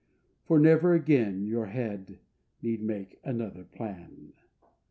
For never again your head Need make another plan.